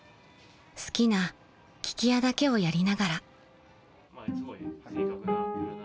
［好きな聞き屋だけをやりながら］